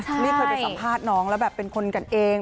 นี่เคยไปสัมภาษณ์น้องแล้วแบบเป็นคนกันเอง